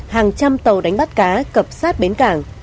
hàng trăm tàu đánh bắt cá cập sát bến cảng